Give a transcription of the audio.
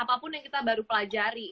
apapun yang kita baru pelajari